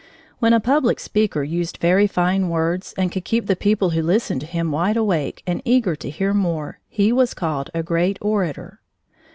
When a public speaker used very fine words and could keep the people who listened to him wide awake and eager to hear more, he was called a great orator.